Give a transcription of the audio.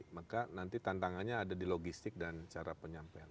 maka nanti tantangannya ada di logistik dan cara penyampaian